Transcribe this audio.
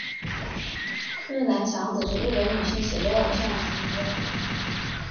日南响子是日本女性写真偶像及女演员。